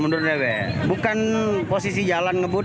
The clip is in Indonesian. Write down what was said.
mundur mundur deh bukan posisi jalan ngebut